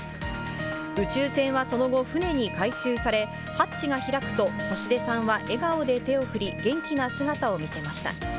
宇宙船はその後、船に回収され、ハッチが開くと、星出さんは笑顔で手を振り、元気な姿を見せました。